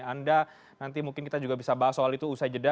anda nanti mungkin kita juga bisa bahas soal itu usai jeda